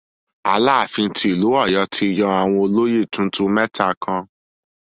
Aláàfin ti ìlú Ọ̀yọ́ ti yan àwọn olóyè tuntun mẹ́ta kan.